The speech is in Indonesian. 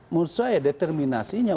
menurut saya determinasinya